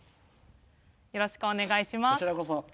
よろしくお願いします。